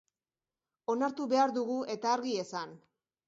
Onartu behar dugu, eta argi esan.